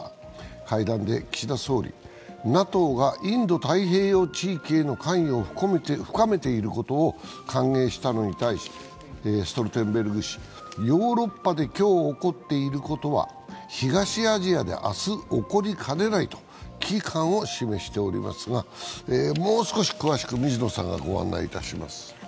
会談で岸田総理、ＮＡＴＯがインド・太平洋地域への関与を深めていることを歓迎したのに対しストルテンベルグ氏、ヨーロッパで今日起こっていることは東アジアで明日起こりかねないと危機感を示しておりますが、もう少し詳しく、水野さんがご案内いたします。